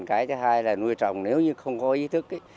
cái thứ hai là nuôi trồng nếu như không có ý thức